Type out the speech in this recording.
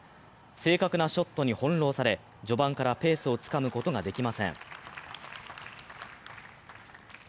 正確なショットに翻弄され、序盤からペースをつかむことができません。